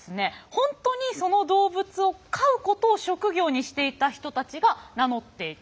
本当にその動物を飼うことを職業にしていた人たちが名乗っていた。